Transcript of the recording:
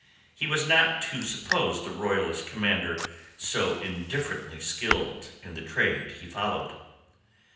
He was not to suppose the Royalist commander so indifferently skilled in the trade he followed.